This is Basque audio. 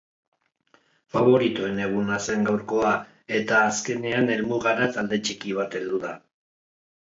Faboritoen eguna zen gaurkoa eta azkenean helmugara talde txiki bat heldu da.